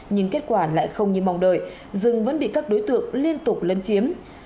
nhưng kết quả lại không như mong đợi rừng vẫn bị các đối tượng liên tục lân chiếm